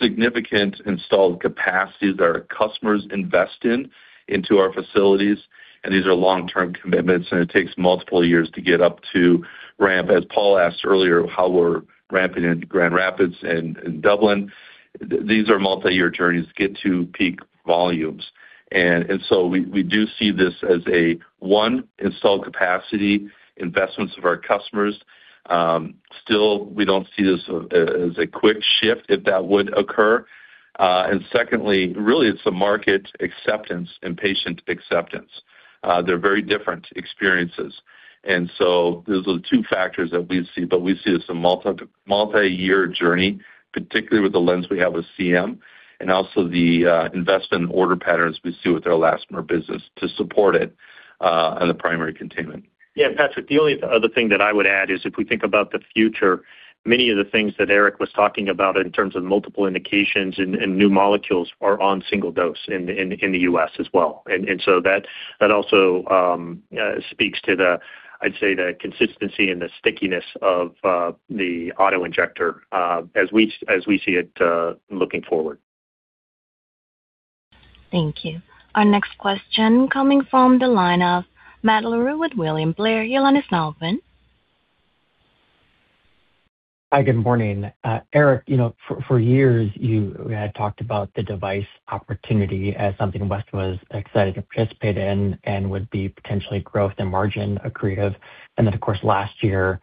significant installed capacities that our customers invest in, into our facilities, and these are long-term commitments, and it takes multiple years to get up to ramp. As Paul asked earlier, how we're ramping in Grand Rapids and in Dublin, these are multi-year journeys to get to peak volumes. And so we do see this as a one, installed capacity investments of our customers. Still, we don't see this as a quick shift if that would occur. And secondly, really, it's the market acceptance and patient acceptance. They're very different experiences. And so those are the two factors that we see, but we see it as a multi-year journey, particularly with the lens we have with CM and also the investment order patterns we see with our elastomer business to support it, as a primary containment. Yeah, Patrick, the only other thing that I would add is if we think about the future, many of the things that Eric was talking about in terms of multiple indications and new molecules are on single dose in the U.S. as well. And so that also speaks to the, I'd say, the consistency and the stickiness of the auto-injector as we see it looking forward. Thank you. Our next question coming from the line of Matt Larew with William Blair. Your line is now open. Hi, good morning. Eric, you know, for years, you had talked about the device opportunity as something West was excited to participate in and would be potentially growth and margin accretive. And then, of course, last year,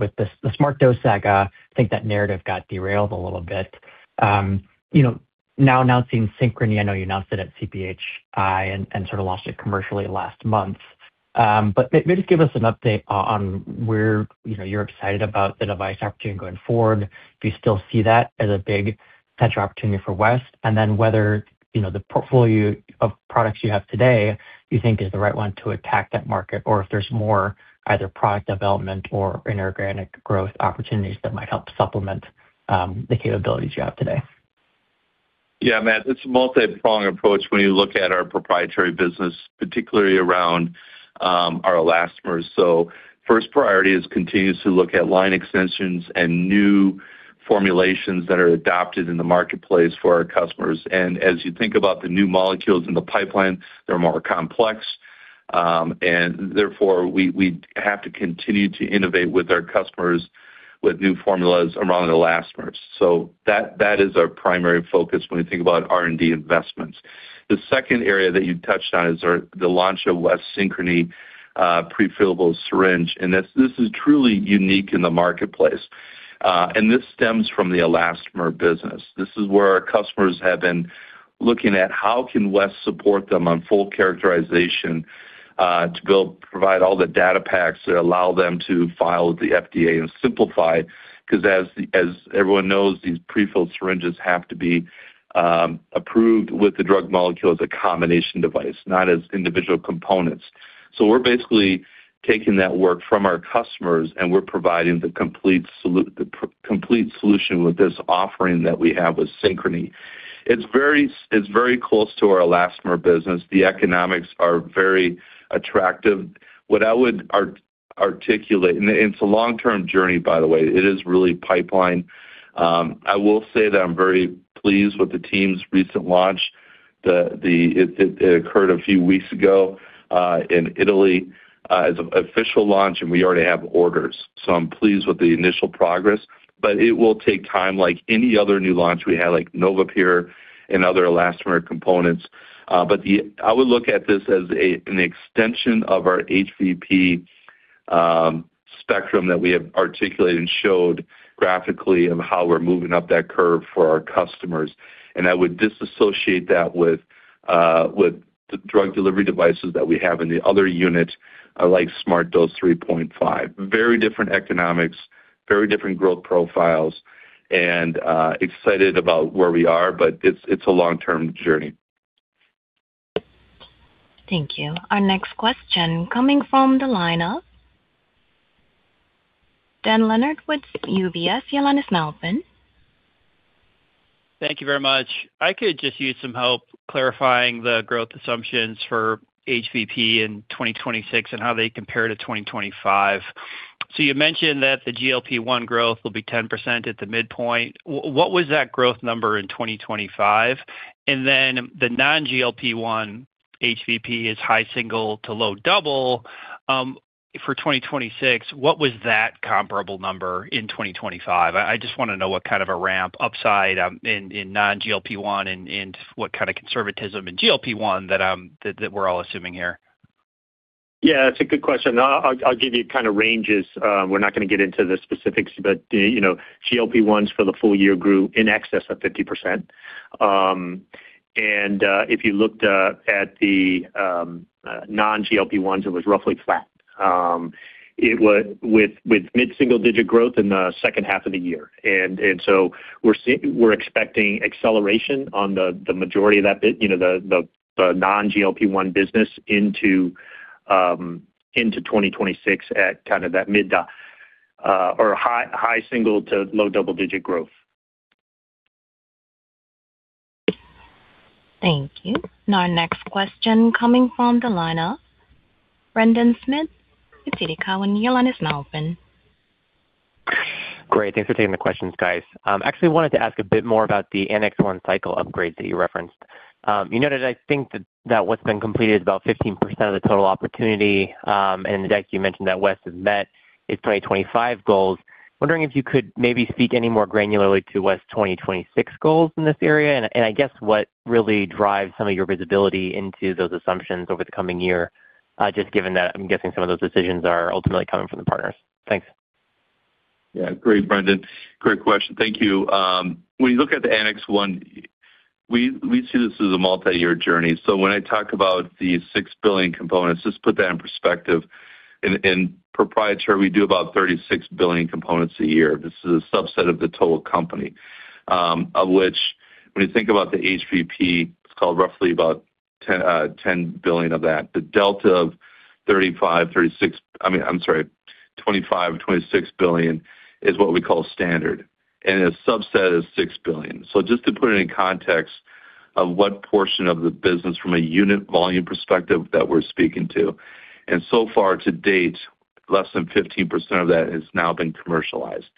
with the Smart Dose saga, I think that narrative got derailed a little bit. You know, now announcing Synchrony, I know you announced it at CPhI and sort of launched it commercially last month. But maybe give us an update on where, you know, you're excited about the device opportunity going forward. Do you still see that as a big potential opportunity for West? And then whether, you know, the portfolio of products you have today, you think is the right one to attack that market, or if there's more either product development or inorganic growth opportunities that might help supplement the capabilities you have today? Yeah, Matt, it's a multipronged approach when you look at our proprietary business, particularly around our elastomers. So first priority is continues to look at line extensions and new formulations that are adopted in the marketplace for our customers. And as you think about the new molecules in the pipeline, they're more complex. And therefore, we, we have to continue to innovate with our customers with new formulas around the elastomers. So that, that is our primary focus when we think about R&D investments. The second area that you touched on is our the launch of West Synchrony prefillable syringe, and this, this is truly unique in the marketplace. And this stems from the elastomer business. This is where our customers have been looking at how can West support them on full characterization to provide all the data packs that allow them to file with the FDA and simplify. Because as everyone knows, these prefilled syringes have to be approved with the drug molecule as a combination device, not as individual components. So we're basically taking that work from our customers, and we're providing the complete solution with this offering that we have with Synchrony. It's very close to our elastomer business. The economics are very attractive. What I would articulate, and it's a long-term journey, by the way. It is really pipeline. I will say that I'm very pleased with the team's recent launch. It occurred a few weeks ago in Italy as an official launch, and we already have orders. So I'm pleased with the initial progress, but it will take time like any other new launch we had, like NovaPure and other elastomer components. But I would look at this as an extension of our HVP spectrum that we have articulated and showed graphically of how we're moving up that curve for our customers. And I would disassociate that with the drug delivery devices that we have in the other units, like SmartDose 3.5. Very different economics, very different growth profiles, and excited about where we are, but it's a long-term journey. Thank you. Our next question coming from the line of Dan Leonard with UBS. Your line is now open. Thank you very much. I could just use some help clarifying the growth assumptions for HVP in 2026 and how they compare to 2025. So you mentioned that the GLP-1 growth will be 10% at the midpoint. What was that growth number in 2025? And then the non-GLP-1 HVP is high single- to low double for 2026. What was that comparable number in 2025? I just want to know what kind of a ramp upside in non-GLP-1 and what kind of conservatism in GLP-1 that we're all assuming here. Yeah, that's a good question. I'll give you kind of ranges. We're not going to get into the specifics, but you know, GLP-1s for the full year grew in excess of 50%. And if you looked at the non-GLP-1s, it was roughly flat. It was with mid-single-digit growth in the second half of the year. And so we're expecting acceleration on the majority of that bit, you know, the non-GLP-1 business into 2026 at kind of that mid or high single- to low double-digit growth. Thank you. Our next question coming from the line of Brendan Smith with TD Cowen. Your line is now open. Great. Thanks for taking the questions, guys. Actually wanted to ask a bit more about the Annex 1 cycle upgrades that you referenced. You noted, I think, that what's been completed is about 15% of the total opportunity, and in the deck, you mentioned that West has met its 2025 goals. Wondering if you could maybe speak any more granularly to West 2026 goals in this area, and I guess what really drives some of your visibility into those assumptions over the coming year, just given that I'm guessing some of those decisions are ultimately coming from the partners. Thanks. Yeah. Great, Brendan. Great question. Thank you. When you look at the Annex 1, we see this as a multiyear journey. So when I talk about the 6 billion components, just put that in perspective. In proprietary, we do about 36 billion components a year. This is a subset of the total company, of which, when you think about the HVP, it's called roughly about 10 billion of that. The delta of 35, 36, I mean, I'm sorry, 25, 26 billion is what we call standard, and a subset is 6 billion. So just to put it in context of what portion of the business from a unit volume perspective that we're speaking to, and so far to date, less than 15% of that has now been commercialized.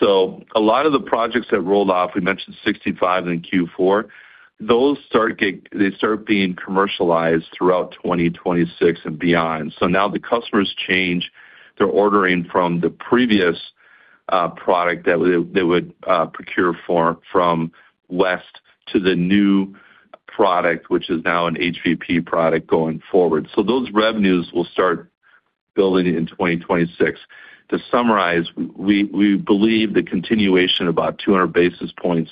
So a lot of the projects that rolled off, we mentioned 65 in Q4, those start—they start being commercialized throughout 2026 and beyond. So now the customers change. They're ordering from the previous product that they would procure for from West to the new product, which is now an HVP product going forward. So those revenues will start building in 2026. To summarize, we believe the continuation, about 200 basis points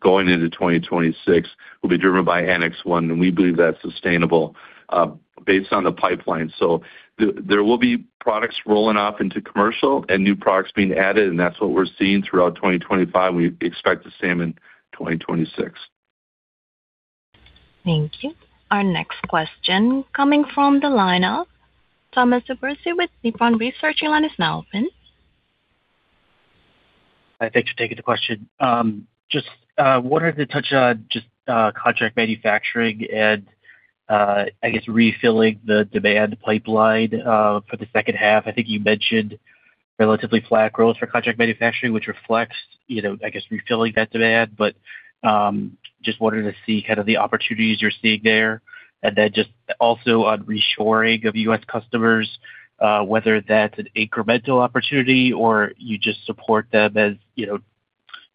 going into 2026, will be driven by Annex 1, and we believe that's sustainable based on the pipeline. So there will be products rolling off into commercial and new products being added, and that's what we're seeing throughout 2025, and we expect the same in 2026. Thank you. Our next question coming from the line of Thomas DeBourcy with Nephron Research. Your line is now open. Hi, thanks for taking the question. Just wanted to touch on just, contract manufacturing and, I guess, refilling the demand pipeline, for the second half. I think you mentioned relatively flat growth for contract manufacturing, which reflects, you know, I guess, refilling that demand. But just wanted to see kind of the opportunities you're seeing there. And then just also on reshoring of U.S. customers, whether that's an incremental opportunity or you just support them as, you know,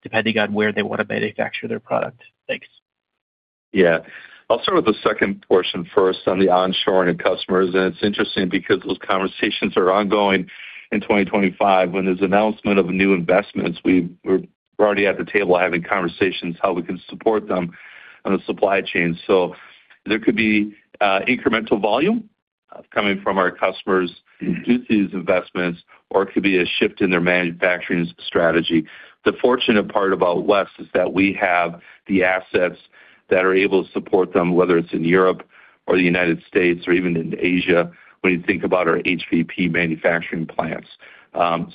depending on where they want to manufacture their product. Thanks. Yeah. I'll start with the second portion first on the onshoring of customers, and it's interesting because those conversations are ongoing in 2025. When there's announcement of new investments, we're already at the table having conversations how we can support them on the supply chain. So there could be incremental volume coming from our customers due to these investments, or it could be a shift in their manufacturing strategy. The fortunate part about West is that we have the assets that are able to support them, whether it's in Europe or the United States or even in Asia, when you think about our HVP manufacturing plants.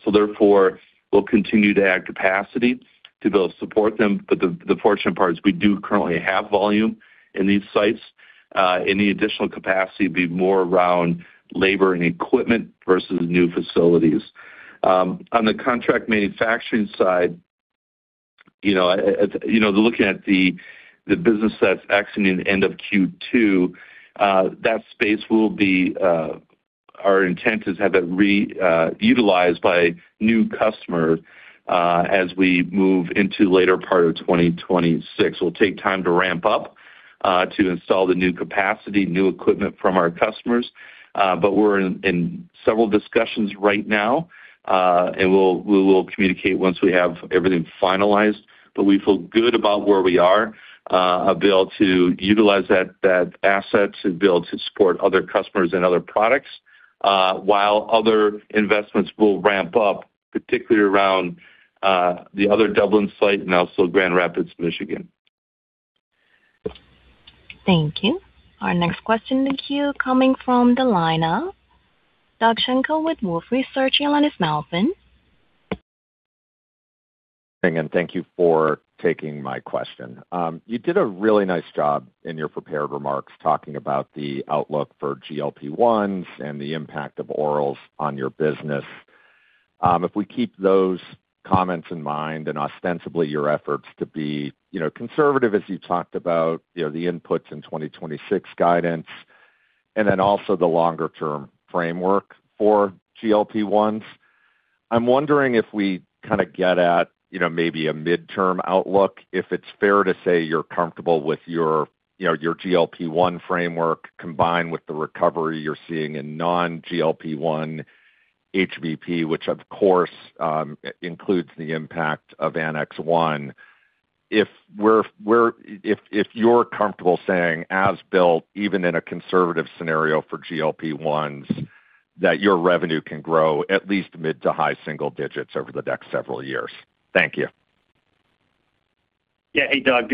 So therefore, we'll continue to add capacity to build support them, but the fortunate part is we do currently have volume in these sites. Any additional capacity would be more around labor and equipment versus new facilities. On the contract manufacturing side, you know, you know, looking at the business that's exiting end of Q2, that space will be, our intent is to have it utilized by new customer, as we move into later part of 2026. It'll take time to ramp up, to install the new capacity, new equipment from our customers, but we're in several discussions right now, and we'll communicate once we have everything finalized. But we feel good about where we are, able to utilize that assets and build to support other customers and other products, while other investments will ramp up, particularly around the other Dublin site and also Grand Rapids, Michigan. Thank you. Our next question in the queue coming from the line of Doug Schenkel with Wolfe Research, your line is now open. Thank you for taking my question. You did a really nice job in your prepared remarks, talking about the outlook for GLP-1s and the impact of orals on your business. If we keep those comments in mind and ostensibly your efforts to be, you know, conservative, as you talked about, you know, the inputs in 2026 guidance and then also the longer-term framework for GLP-1s, I'm wondering if we kind of get at, you know, maybe a midterm outlook, if it's fair to say you're comfortable with your, you know, your GLP-1 framework combined with the recovery you're seeing in non-GLP-1 HVP, which of course includes the impact of Annex 1. If you're comfortable saying, as built, even in a conservative scenario for GLP-1s, that your revenue can grow at least mid- to high-single digits over the next several years. Thank you. Yeah. Hey, Doug,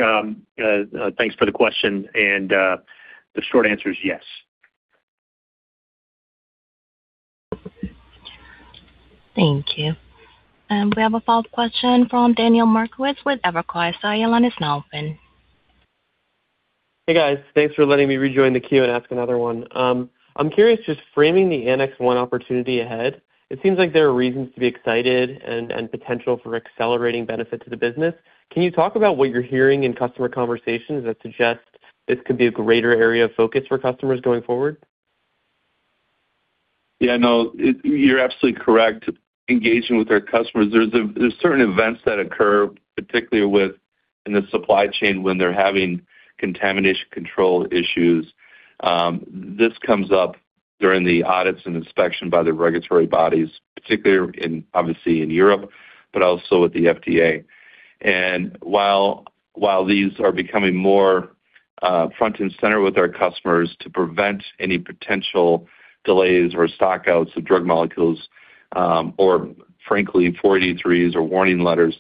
thanks for the question, and the short answer is yes. Thank you. We have a follow-up question from Daniel Markowitz with Evercore ISI. Your line is now open. Hey, guys, thanks for letting me rejoin the queue and ask another one. I'm curious, just framing the Annex 1 opportunity ahead, it seems like there are reasons to be excited and, and potential for accelerating benefit to the business. Can you talk about what you're hearing in customer conversations that suggest this could be a greater area of focus for customers going forward? Yeah, no, you're absolutely correct. Engaging with our customers, there's certain events that occur, particularly with, in the supply chain, when they're having contamination control issues. This comes up during the audits and inspection by the regulatory bodies, particularly in, obviously in Europe, but also with the FDA. And while these are becoming more front and center with our customers to prevent any potential delays or stockouts of drug molecules, or frankly, Form 483s or warning letters,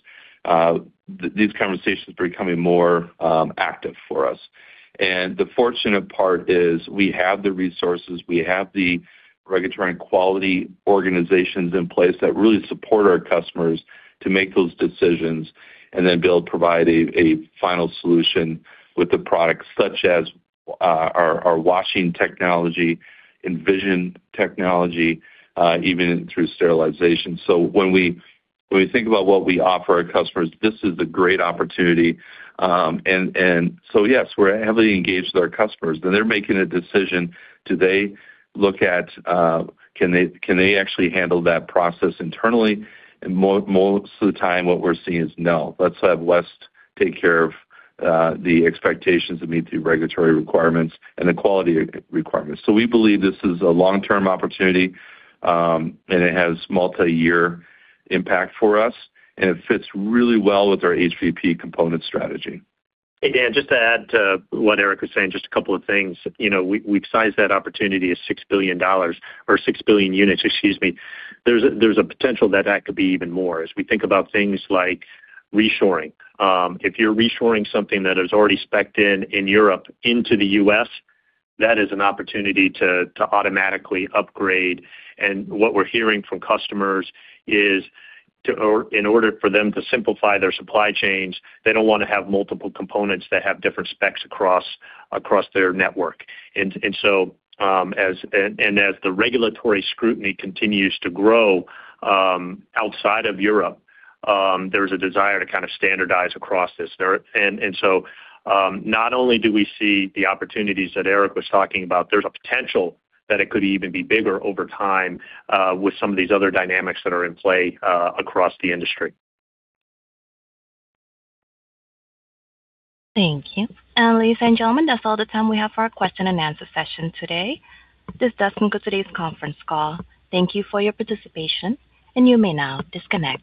these conversations are becoming more active for us. And the fortunate part is we have the resources, we have the regulatory and quality organizations in place that really support our customers to make those decisions and then be able to provide a final solution with the products, such as our washing technology, Envision technology, even through sterilization. So when we think about what we offer our customers, this is a great opportunity. And so, yes, we're heavily engaged with our customers. When they're making a decision, do they look at, can they actually handle that process internally? And most of the time, what we're seeing is, no. Let's have West take care of the expectations to meet the regulatory requirements and the quality requirements. So we believe this is a long-term opportunity, and it has multi-year impact for us, and it fits really well with our HVP component strategy. Hey, Dan, just to add to what Eric was saying, just a couple of things. You know, we've sized that opportunity as $6 billion or 6 billion units, excuse me. There's a potential that that could be even more as we think about things like reshoring. If you're reshoring something that is already spec'd in Europe into the U.S., that is an opportunity to automatically upgrade. And what we're hearing from customers is to or in order for them to simplify their supply chains, they don't want to have multiple components that have different specs across their network. And so, as the regulatory scrutiny continues to grow outside of Europe, there's a desire to kind of standardize across this. So, not only do we see the opportunities that Eric was talking about, there's a potential that it could even be bigger over time, with some of these other dynamics that are in play, across the industry. Thank you. Ladies and gentlemen, that's all the time we have for our question and answer session today. This does conclude today's conference call. Thank you for your participation, and you may now disconnect.